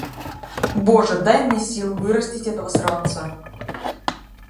Боже, дай мне сил вырастить этого сорванца!